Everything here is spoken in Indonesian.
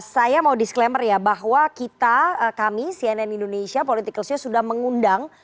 saya mau disclaimer ya bahwa kita kami cnn indonesia political show sudah mengundang